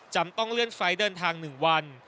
ต้องเลื่อนไฟล์เดินทาง๑วัน